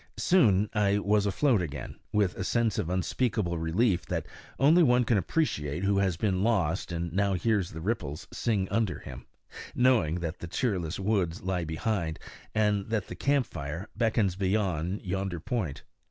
Soon I was afloat again, with a sense of unspeakable relief that only one can appreciate who has been lost and now hears the ripples sing under him, knowing that the cheerless woods lie behind, and that the camp fire beckons beyond yonder point.